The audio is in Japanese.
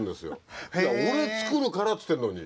俺作るからっつってんのに。